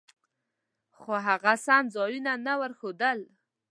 خو هغه سم ځایونه نه ورښودل.